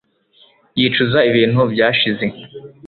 yicuza ibintu byashize